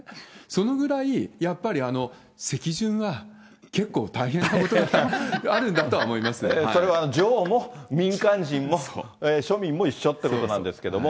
そのぐらい、やっぱり席順は結構、大変なことがあるんだとは思いまそれは女王も、民間人も、庶民も一緒ってことなんですけれども。